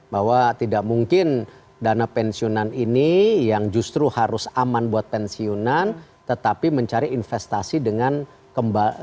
bahwa tidak mungkin dana pensiunan ini yang justru harus aman buat pensiunan tetapi mencari investasi dengan kembali